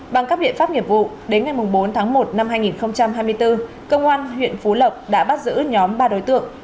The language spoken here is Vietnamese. bằng các biện pháp nghiệp vụ đến ngày bốn tháng một năm hai nghìn hai mươi bốn công an huyện phú lộc đã bắt giữ nhóm ba đối tượng